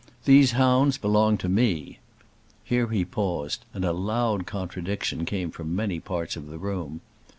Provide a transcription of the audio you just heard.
These hounds belong to me." Here he paused, and a loud contradiction came from many parts of the room.